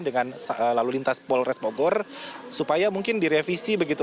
dengan lalu lintas polres bogor supaya mungkin direvisi begitu